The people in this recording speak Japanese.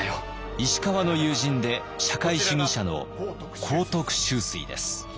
石川の友人で社会主義者の幸徳秋水です。